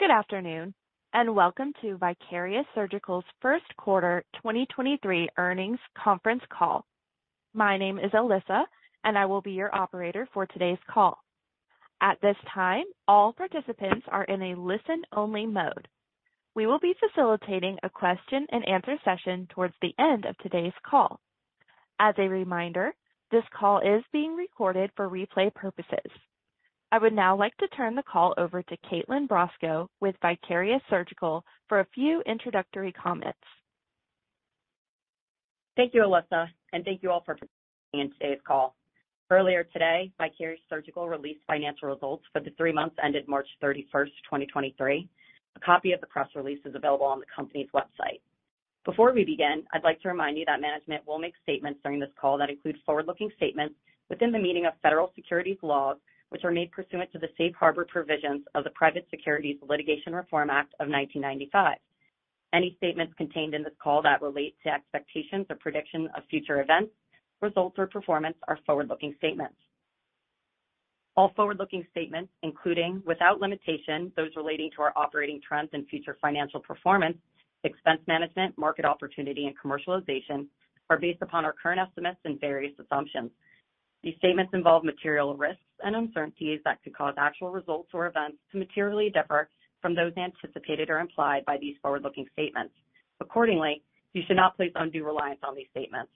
Good afternoon, and welcome to Vicarious Surgical's First Quarter 2023 Earnings Conference Call. My name is Alyssa, and I will be your operator for today's call. At this time, all participants are in a listen-only mode. We will be facilitating a question-and-answer session towards the end of today's call. As a reminder, this call is being recorded for replay purposes. I would now like to turn the call over to Kaitlyn Brosco with Vicarious Surgical for a few introductory comments. Thank you, Alyssa, and thank you all for participating in today's call. Earlier today, Vicarious Surgical released financial results for the three months ended March 31st, 2023. A copy of the press release is available on the company's website. Before we begin, I'd like to remind you that management will make statements during this call that include forward-looking statements within the meaning of federal securities laws, which are made pursuant to the Safe Harbor provisions of the Private Securities Litigation Reform Act of 1995. Any statements contained in this call that relate to expectations or predictions of future events, results, or performance are forward-looking statements. All forward-looking statements, including, without limitation, those relating to our operating trends and future financial performance, expense management, market opportunity, and commercialization, are based upon our current estimates and various assumptions. These statements involve material risks and uncertainties that could cause actual results or events to materially differ from those anticipated or implied by these forward-looking statements. Accordingly, you should not place undue reliance on these statements.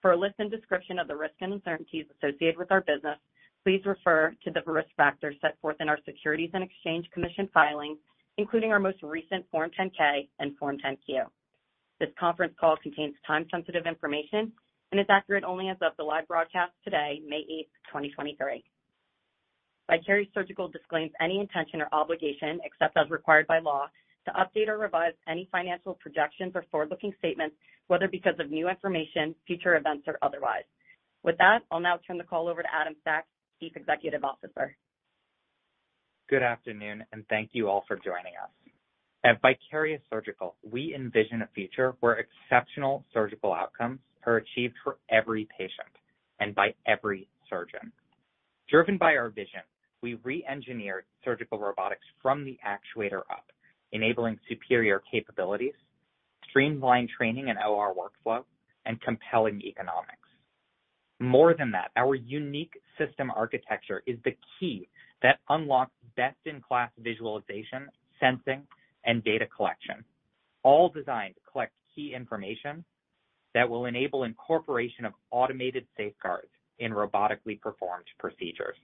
For a list and description of the risks and uncertainties associated with our business, please refer to the risk factors set forth in our Securities and Exchange Commission filings, including our most recent Form 10-K and Form 10-Q. This conference call contains time-sensitive information and is accurate only as of the live broadcast today, May 8th, 2023. Vicarious Surgical disclaims any intention or obligation, except as required by law, to update or revise any financial projections or forward-looking statements, whether because of new information, future events, or otherwise. With that, I'll now turn the call over to Adam Sachs, Chief Executive Officer. Good afternoon, thank you all for joining us. At Vicarious Surgical, we envision a future where exceptional surgical outcomes are achieved for every patient and by every surgeon. Driven by our vision, we re-engineered surgical robotics from the actuator up, enabling superior capabilities, streamlined training and OR workflow, and compelling economics. More than that, our unique system architecture is the key that unlocks best-in-class visualization, sensing, and data collection, all designed to collect key information that will enable incorporation of automated safeguards in robotically performed procedures.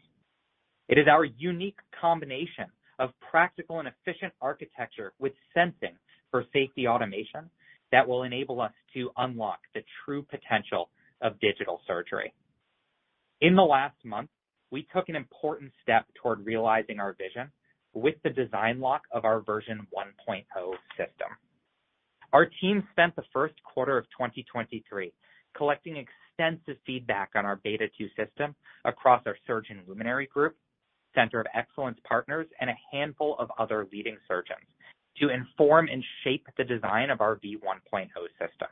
It is our unique combination of practical and efficient architecture with sensing for safety automation that will enable us to unlock the true potential of digital surgery. In the last month, we took an important step toward realizing our vision with the design lock of our Version 1.0 system. Our team spent the first quarter of 2023 collecting extensive feedback on our Beta 2 system across our Surgeon Luminary Group, Center of Excellence partners, and a handful of other leading surgeons to inform and shape the design of our Version 1.0 system.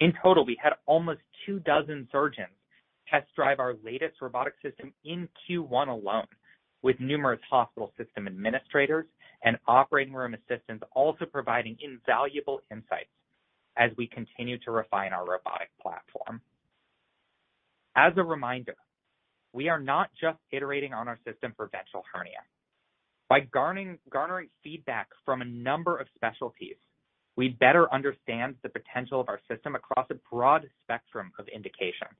In total, we had almost two dozen surgeons test drive our latest robotic system in Q1 alone, with numerous hospital system administrators and operating room assistants also providing invaluable insights as we continue to refine our robotic platform. As a reminder, we are not just iterating on our system for ventral hernia. By garnering feedback from a number of specialties, we better understand the potential of our system across a broad spectrum of indications.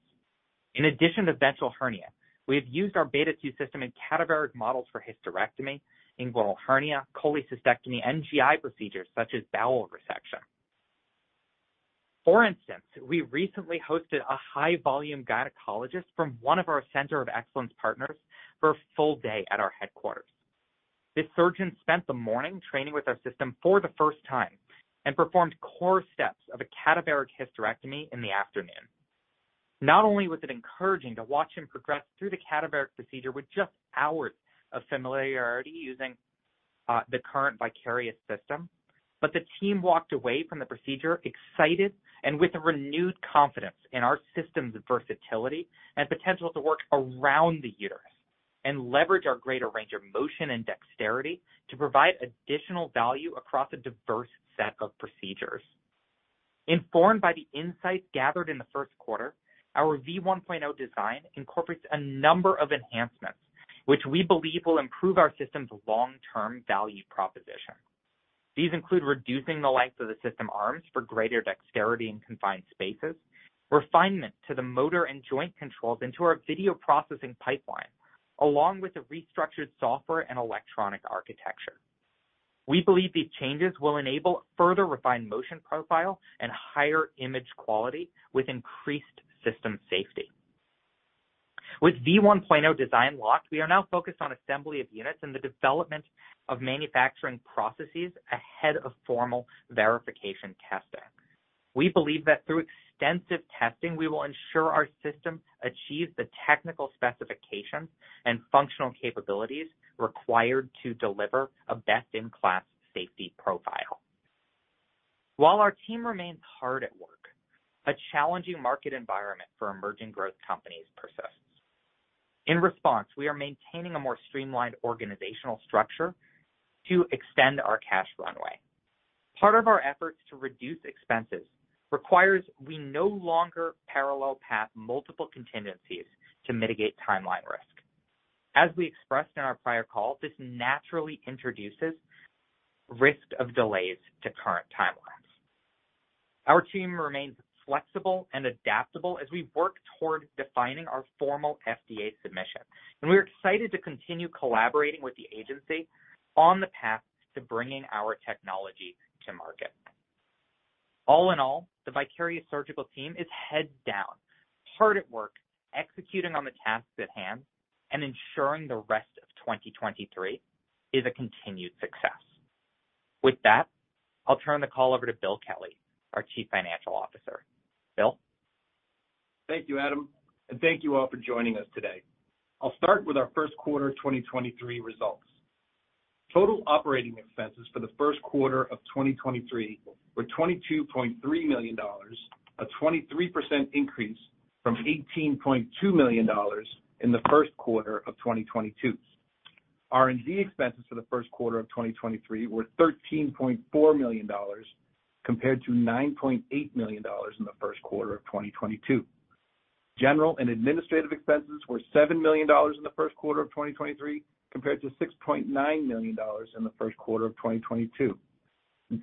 In addition to ventral hernia, we have used our Beta 2 system in cadaveric models for hysterectomy, inguinal hernia, cholecystectomy, and GI procedures such as bowel resection. For instance, we recently hosted a high-volume gynecologist from one of our Center of Excellence partners for a full day at our headquarters. This surgeon spent the morning training with our system for the first time and performed core steps of a cadaveric hysterectomy in the afternoon. Not only was it encouraging to watch him progress through the cadaveric procedure with just hours of familiarity using the current Vicarious system, but the team walked away from the procedure excited and with a renewed confidence in our system's versatility and potential to work around the uterus and leverage our greater range of motion and dexterity to provide additional value across a diverse set of procedures. Informed by the insights gathered in the first quarter, our Version 1.0 design incorporates a number of enhancements which we believe will improve our system's long-term value proposition. These include reducing the length of the system arms for greater dexterity in confined spaces, refinement to the motor and joint controls into our video processing pipeline, along with a restructured software and electronic architecture. We believe these changes will enable further refined motion profile and higher image quality with increased system safety. With V 1.0 design locked, we are now focused on assembly of units and the development of manufacturing processes ahead of formal verification testing. We believe that through extensive testing, we will ensure our system achieves the technical specifications and functional capabilities required to deliver a best-in-class safety profile. While our team remains hard at work, a challenging market environment for emerging growth companies persists. In response, we are maintaining a more streamlined organizational structure to extend our cash runway. Part of our efforts to reduce expenses requires we no longer parallel path multiple contingencies to mitigate timeline risk. As we expressed in our prior call, this naturally introduces risk of delays to current timelines. Our team remains flexible and adaptable as we work toward defining our formal FDA submission. We're excited to continue collaborating with the agency on the path to bringing our technology to market. All in all, the Vicarious Surgical team is head down, hard at work, executing on the tasks at hand and ensuring the rest of 2023 is a continued success. With that, I'll turn the call over to Bill Kelly, our Chief Financial Officer. Bill? Thank you, Adam, thank you all for joining us today. I'll start with our first quarter 2023 results. Total operating expenses for the first quarter of 2023 were $22.3 million, a 23% increase from $18.2 million in the first quarter of 2022. R&D expenses for the first quarter of 2023 were $13.4 million compared to $9.8 million in the first quarter of 2022. General and administrative expenses were $7 million in the first quarter of 2023, compared to $6.9 million in the first quarter of 2022.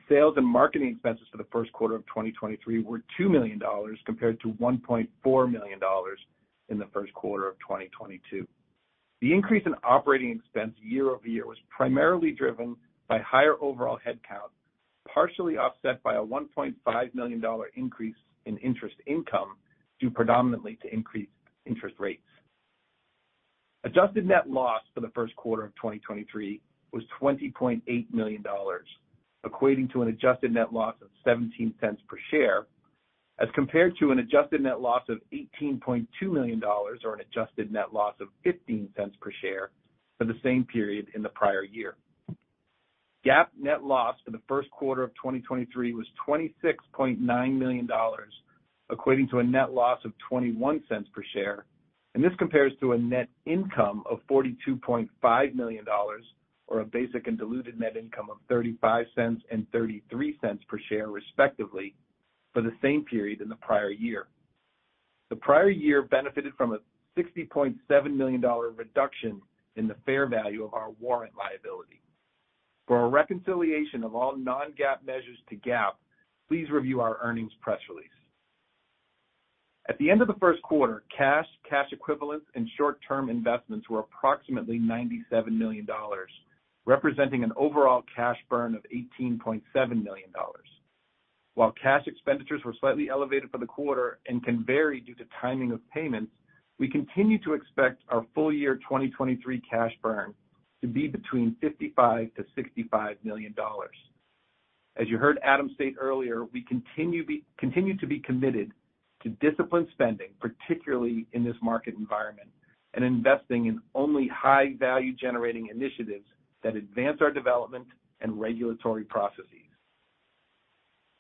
Sales and marketing expenses for the first quarter of 2023 were $2 million compared to $1.4 million in the first quarter of 2022. The increase in operating expense year-over-year was primarily driven by higher overall headcount, partially offset by a $1.5 million increase in interest income, due predominantly to increased interest rates. Adjusted net loss for the first quarter of 2023 was $20.8 million, equating to an adjusted net loss of $0.17 per share, as compared to an adjusted net loss of $18.2 million or an adjusted net loss of $0.15 per share for the same period in the prior year. GAAP net loss for the first quarter of 2023 was $26.9 million, equating to a net loss of $0.21 per share. This compares to a net income of $42.5 million or a basic and diluted net income of $0.35 and $0.33 per share, respectively, for the same period in the prior year. The prior year benefited from a $60.7 million reduction in the fair value of our warrant liability. For a reconciliation of all non-GAAP measures to GAAP, please review our earnings press release. At the end of the first quarter, cash equivalents and short-term investments were approximately $97 million, representing an overall cash burn of $18.7 million. While cash expenditures were slightly elevated for the quarter and can vary due to timing of payments, we continue to expect our full year 2023 cash burn to be between $55 million-$65 million. As you heard Adam state earlier, we continue to be committed to disciplined spending, particularly in this market environment, and investing in only high value-generating initiatives that advance our development and regulatory processes.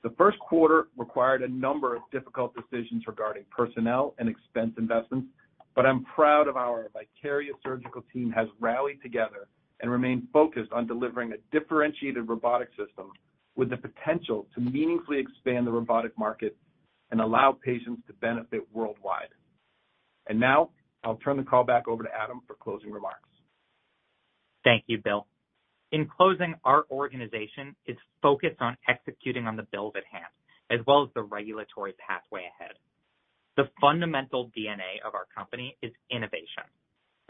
The first quarter required a number of difficult decisions regarding personnel and expense investments, but I'm proud of our Vicarious Surgical team has rallied together and remained focused on delivering a differentiated robotic system with the potential to meaningfully expand the robotic market and allow patients to benefit worldwide. Now I'll turn the call back over to Adam for closing remarks. Thank you, Bill. In closing, our organization is focused on executing on the build at hand as well as the regulatory pathway ahead.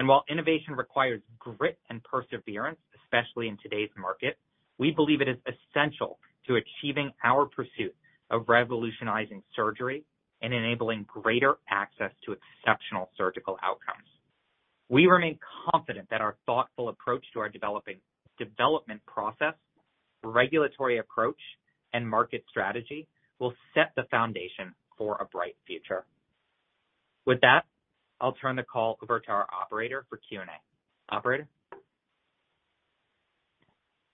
While innovation requires grit and perseverance, especially in today's market, we believe it is essential to achieving our pursuit of revolutionizing surgery and enabling greater access to exceptional surgical outcomes. We remain confident that our thoughtful approach to our development process, regulatory approach, and market strategy will set the foundation for a bright future. With that, I'll turn the call over to our operator for Q&A. Operator?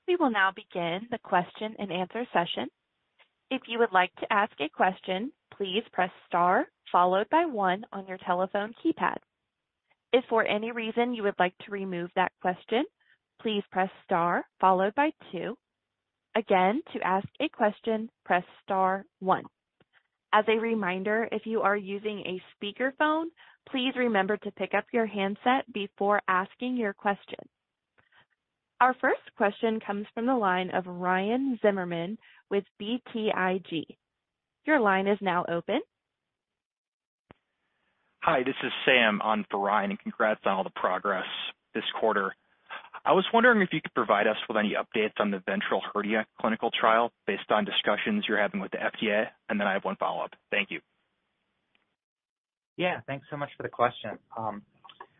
We will now begin the question-and-answer session. If you would like to ask a question, please press star followed by one on your telephone keypad. If for any reason you would like to remove that question, please press star followed by two. Again, to ask a question, press star one. As a reminder, if you are using a speakerphone, please remember to pick up your handset before asking your question. Our first question comes from the line of Ryan Zimmerman with BTIG. Your line is now open. Hi, this is Sam on for Ryan. Congrats on all the progress this quarter. I was wondering if you could provide us with any updates on the ventral hernia clinical trial based on discussions you're having with the FDA. Then I have one follow-up. Thank you. Yeah. Thanks so much for the question.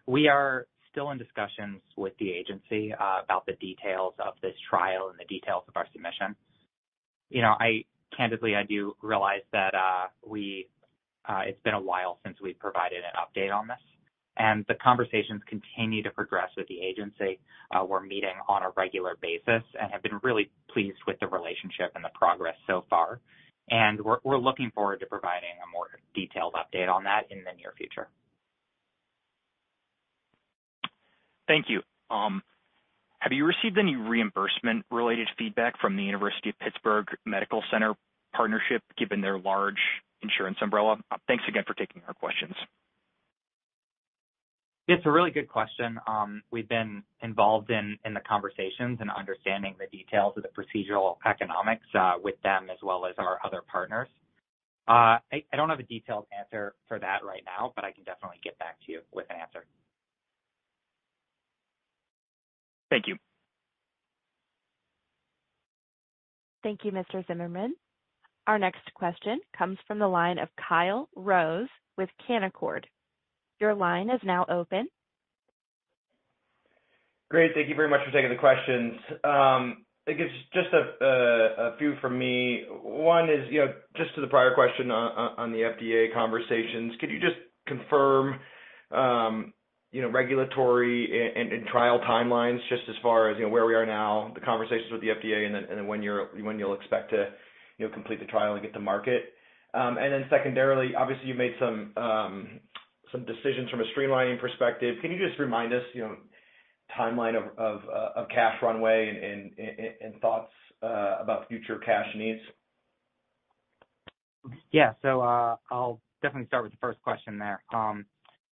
We are still in discussions with the agency about the details of this trial and the details of our submission. You know, candidly, I do realize that it's been a while since we've provided an update on this, and the conversations continue to progress with the agency. We're meeting on a regular basis and have been really pleased with the relationship and the progress so far. We're looking forward to providing a more detailed update on that in the near future. Thank you. Have you received any reimbursement-related feedback from the University of Pittsburgh Medical Center partnership, given their large insurance umbrella? Thanks again for taking our questions. It's a really good question. We've been involved in the conversations and understanding the details of the procedural economics with them as well as our other partners. I don't have a detailed answer for that right now, but I can definitely get back to you with an answer. Thank you. Thank you, Mr. Zimmerman. Our next question comes from the line of Kyle Rose with Canaccord. Your line is now open. Great. Thank you very much for taking the questions. I guess just a few from me. One is, you know, just to the prior question on the FDA conversations, could you just confirm, you know, regulatory and trial timelines just as far as, you know, where we are now, the conversations with the FDA, and then when you'll expect to, you know, complete the trial and get to market? Secondarily, obviously you made some decisions from a streamlining perspective. Can you just remind us, you know, timeline of cash runway and thoughts about future cash needs? Yeah. I'll definitely start with the first question there.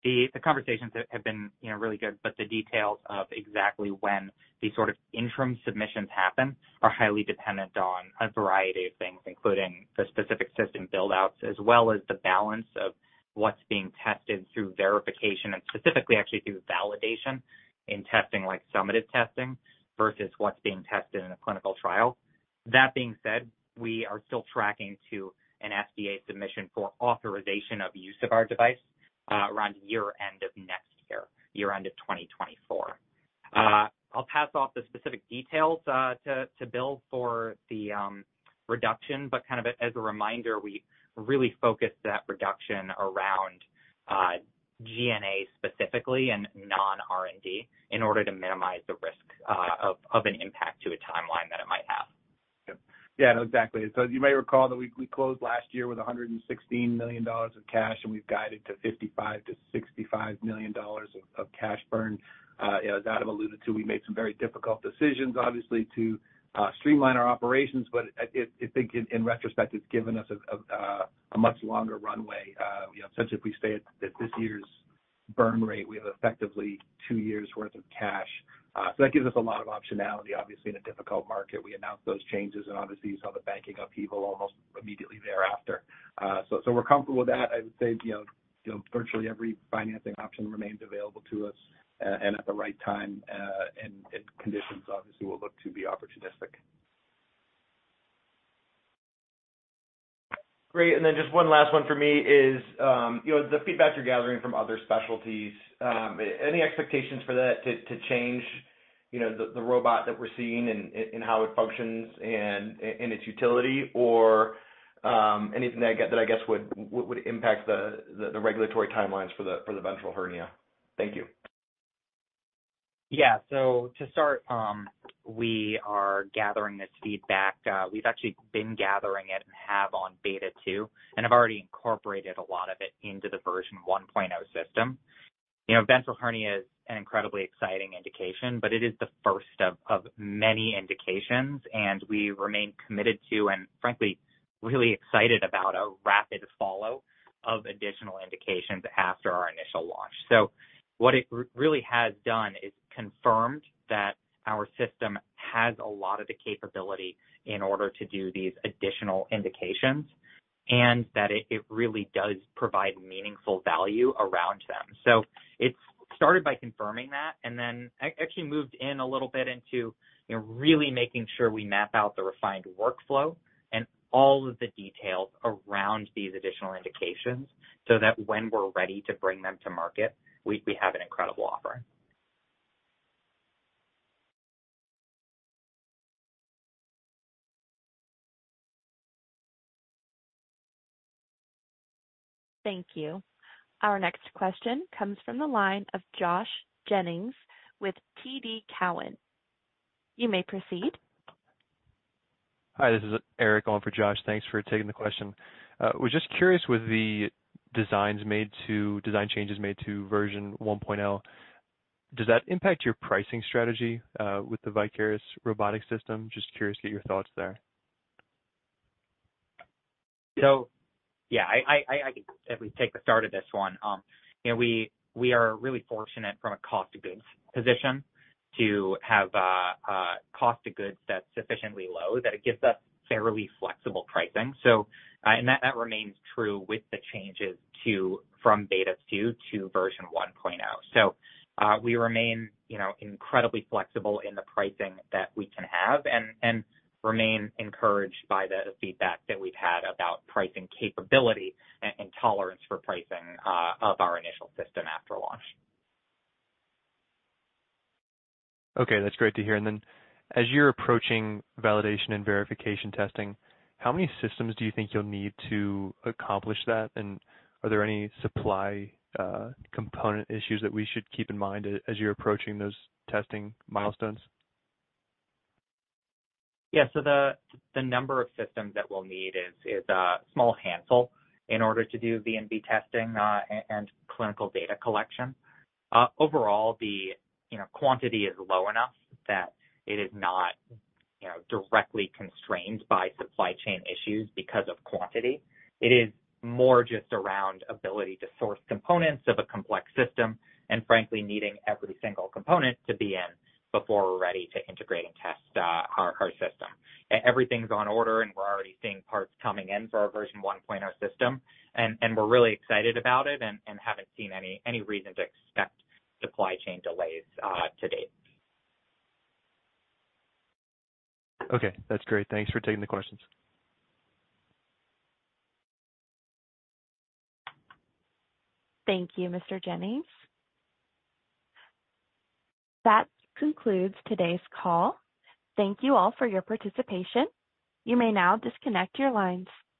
The conversations have been, you know, really good, but the details of exactly when these sort of interim submissions happen are highly dependent on a variety of things, including the specific system build-outs, as well as the balance of what's being tested through verification and specifically actually through validation in testing like summative testing versus what's being tested in a clinical trial. That being said, we are still tracking to an FDA submission for authorization of use of our device, around year end of next year end of 2024. I'll pass off the specific details to Bill for the reduction, but kind of as a reminder, we really focused that reduction around G&A specifically and non-R&D in order to minimize the risk of an impact to a timeline that it might have. Yeah. No, exactly. As you may recall that we closed last year with $116 million of cash, and we've guided to $55 million-$65 million of cash burn. You know, as Adam alluded to, we made some very difficult decisions, obviously to streamline our operations, but I think in retrospect, it's given us a much longer runway. You know, such if we stay at this year's burn rate, we have effectively two years' worth of cash. That gives us a lot of optionality, obviously, in a difficult market. We announced those changes, obviously you saw the banking upheaval almost immediately thereafter. We're comfortable with that. I would say, you know, virtually every financing option remains available to us, and at the right time, and conditions obviously we'll look to be opportunistic. Great. Just one last one for me is, you know, the feedback you're gathering from other specialties, any expectations for that to change, you know, the robot that we're seeing and how it functions and its utility or anything that I guess would impact the regulatory timelines for the ventral hernia? Thank you. Yeah. To start, we are gathering this feedback. We've actually been gathering it and have on Beta 2 and have already incorporated a lot of it into the Version 1.0 system. You know, ventral hernia is an incredibly exciting indication, but it is the first of many indications, and we remain committed to and frankly, really excited about a rapid follow of additional indications after our initial launch. What it really has done is confirmed that our system has a lot of the capability in order to do these additional indications and that it really does provide meaningful value around them. It's started by confirming that and then actually moved in a little bit into, you know, really making sure we map out the refined workflow and all of the details around these additional indications so that when we're ready to bring them to market, we have an incredible offering. Thank you. Our next question comes from the line of Josh Jennings with TD Cowen. You may proceed. Hi, this is Eric going for Josh. Thanks for taking the question. was just curious with the design changes made to Version 1.0, does that impact your pricing strategy, with the Vicarious robotic system? Just curious to get your thoughts there. Yeah, I can at least take the start of this one. You know, we are really fortunate from a cost of goods position to have cost of goods that's sufficiently low that it gives us fairly flexible pricing. And that remains true with the changes from Beta 2 to Version 1.0. We remain, you know, incredibly flexible in the pricing that we can have and remain encouraged by the feedback that we've had about pricing capability and tolerance for pricing of our initial system after launch. Okay, that's great to hear. As you're approaching validation and verification testing, how many systems do you think you'll need to accomplish that? Are there any supply component issues that we should keep in mind as you're approaching those testing milestones? Yeah. The number of systems that we'll need is a small handful in order to do V&V testing and clinical data collection. Overall, the, you know, quantity is low enough that it is not, you know, directly constrained by supply chain issues because of quantity. It is more just around ability to source components of a complex system and frankly needing every single component to be in before we're ready to integrate and test our system. Everything's on order, and we're already seeing parts coming in for our Version 1.0 system, and we're really excited about it and haven't seen any reason to expect supply chain delays to date. Okay, that's great. Thanks for taking the questions. Thank you, Mr. Jennings. That concludes today's call. Thank you all for your participation. You may now disconnect your lines.